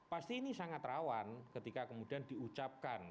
pasti ini sangat rawan ketika kemudian diucapkan